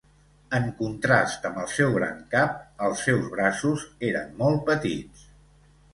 En contrast amb el seu gran cap, els seus braços eren molt petits.